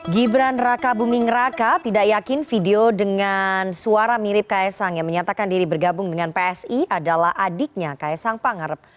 gibran raka buming raka tidak yakin video dengan suara mirip ks sang yang menyatakan diri bergabung dengan psi adalah adiknya kaisang pangarep